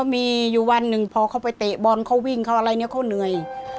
มีอยู่วันหนึ่งพอเขาไปเตะบอลเขาวิ่งเขาอะไรเนี่ยเขาเหนื่อย